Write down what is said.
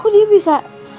kok dia bisa